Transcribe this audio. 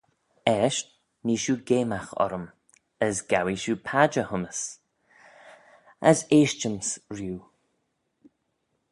Eisht nee shiu geamagh orrym, as gowee shiu padjer hym's, as eaisht-yms riu.